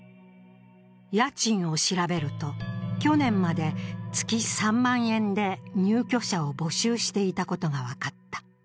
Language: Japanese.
家賃を調べると、去年まで月３万円で入居者を募集していたことが分かった。